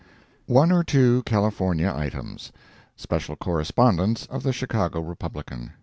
ONE OR TWO CALIFORNIA ITEMS Special Correspondence of the Chicago Republican.